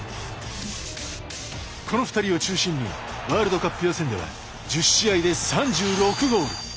この２人を中心にワールドカップ予選では１０試合で３６ゴール。